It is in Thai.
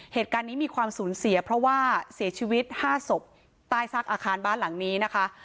เหตุการณ์นี้มีความสูญเสียเพราะว่าเสียชีวิต๕ศพใต้ซากอาคารบ้านหลังนี้นะคะ